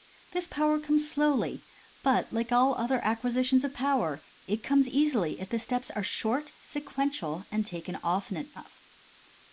This power comes slowly, but like all other acquisitions of power, it comes easily if the steps are short, sequential and taken often enough.